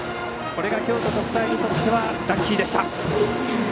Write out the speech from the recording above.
これが京都国際にとってはラッキーでした。